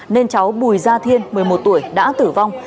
nên cháu bùi gia thiên một mươi một tuổi đã tử vong